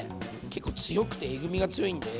結構強くてえぐみが強いんで。